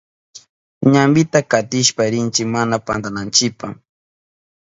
Ñampita katishpa rinchi mana pantananchipa.